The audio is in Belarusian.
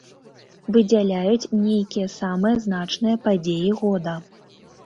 Выдзяляюць нейкія самыя значныя падзеі года.